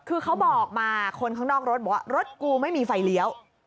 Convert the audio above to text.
คือเขาบอกมาคนข้างนอกรถบอกว่ารถกูไม่มีไฟเลี้ยว